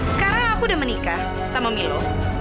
sekarang aku udah menikah sama milo